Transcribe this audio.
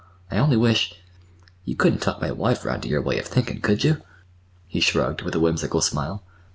I only wish—You couldn't talk my wife 'round to your way of thinkin', could you?" he shrugged, with a whimsical smile.